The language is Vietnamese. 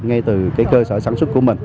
ngay từ cơ sở sản xuất của mình